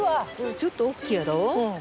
ちょっと大きいやろ？